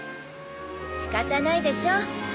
仕方ないでしょ。